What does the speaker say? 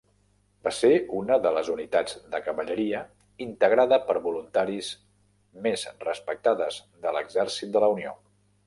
Va ser una de les unitats de cavalleria integrada per voluntaris més respectades de l'Exèrcit de la Unió.